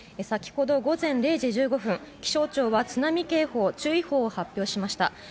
先ほど午前０時１５分気象庁は津波警報注意報を発表しました。